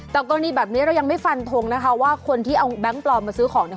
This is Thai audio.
แต่กรณีแบบนี้เรายังไม่ฟันทงนะคะว่าคนที่เอาแบงค์ปลอมมาซื้อของเนี่ย